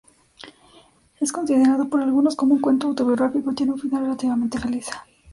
Es considerado por algunos como un cuento autobiográfico y tiene un final relativamente feliz.